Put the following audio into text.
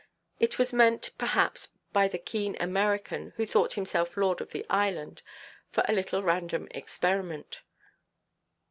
It was meant, perhaps, by the keen American, who thought himself lord of the island, for a little random experiment.